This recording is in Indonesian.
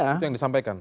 itu yang disampaikan